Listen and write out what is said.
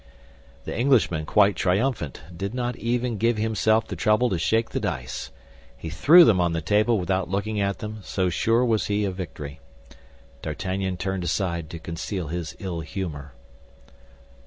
The Englishman, quite triumphant, did not even give himself the trouble to shake the dice. He threw them on the table without looking at them, so sure was he of victory; D'Artagnan turned aside to conceal his ill humor.